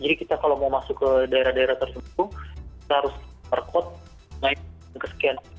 jadi kita kalau mau masuk ke daerah daerah tersebut kita harus berkode naik ke scan